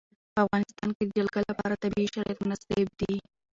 په افغانستان کې د جلګه لپاره طبیعي شرایط مناسب دي.